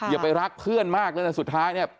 อย่าไปรักเพื่อนมากเลยนะสุดท้ายเนี่ย